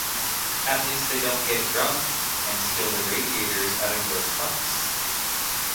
At least they don't get drunk and steal the radiators out of your trucks.